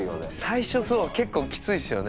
最初そう結構キツいっすよね。